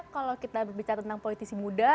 kalau kita bicara tentang politisi muda